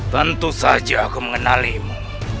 tentu saja aku mengenalimu